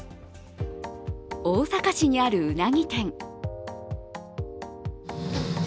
大阪市にあるうなぎ店。